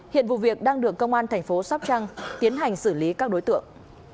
hiện vụ việc đang được công an tp sóc trăng tiến hành xử lý các đối tượng